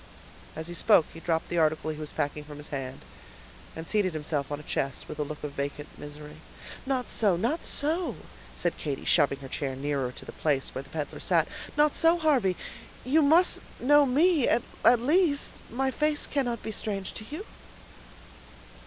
As he spoke he dropped the article he was packing from his hand, and seated himself on a chest, with a look of vacant misery. "Not so, not so," said Katy, shoving her chair nearer to the place where the peddler sat. "Not so, Harvey, you must know me at least; my face cannot be strange to you."